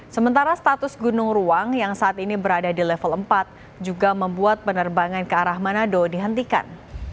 sementara status gunung ruang yang saat ini berada di level empat juga membuat penerbangan ke arah manado dihentikan